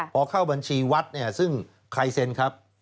พอเข้าบัญชีวัดเนี่ยซึ่งใครเซ็นครับ